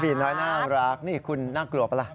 น้อยน่ารักนี่คุณน่ากลัวปะล่ะ